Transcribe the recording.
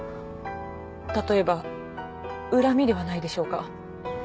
例えば恨みではないでしょうか？